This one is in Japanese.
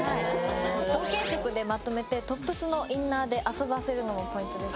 同系色でまとめてトップスのインナーで遊ばせるのがポイントです。